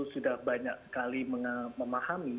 sudah banyak sekali memahami